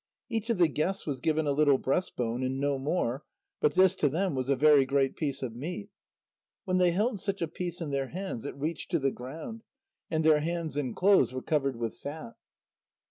Each of the guests was given a little breastbone and no more, but this to them was a very great piece of meat. When they held such a piece in their hands, it reached to the ground, and their hands and clothes were covered with fat.